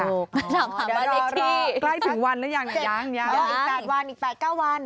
ถามคำว่าเมื่อกี้ใกล้ถึงวันหรือยังยังยังรออีก๘วันอีก๘๙วัน